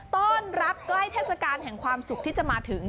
ต้อนรับใกล้เทศกาลแห่งความสุขที่จะมาถึง